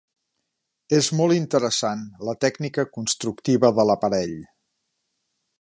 És molt interessant la tècnica constructiva de l'aparell.